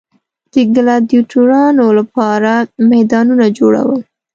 د ګلاډیټورانو لپاره میدانونه جوړول.